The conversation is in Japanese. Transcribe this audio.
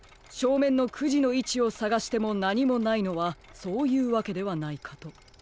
しょうめんの９じのいちをさがしてもなにもないのはそういうわけではないかと。